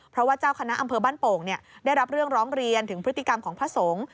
เพราะว่าเจ้าคณะอำเภอบ้านโป่งได้รับเรื่องร้องเรียนถึงพฤติกรรมของพระสงฆ์